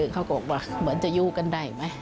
เขาบอกว่าเหมือนจะอยู่กันได้ไหม